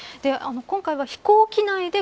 今回は飛行機内で